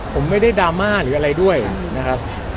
ผมไม่ได้ดราม่าหรืออะไรด้วยนะครับ